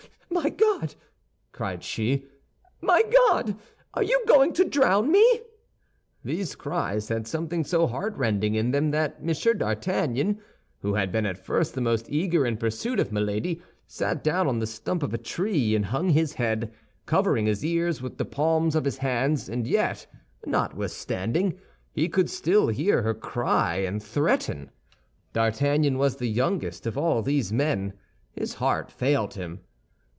"Oh, my God!" cried she, "my God! are you going to drown me?" These cries had something so heartrending in them that M. d'Artagnan, who had been at first the most eager in pursuit of Milady, sat down on the stump of a tree and hung his head, covering his ears with the palms of his hands; and yet, notwithstanding, he could still hear her cry and threaten. D'Artagnan was the youngest of all these men. His heart failed him.